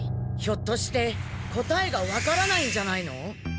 ひょっとして答えが分からないんじゃないの？